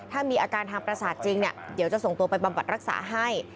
ถ้ามีอาการทางประสาทจริงเดี๋ยวจะส่งตัวไปบำบัดรักษาให้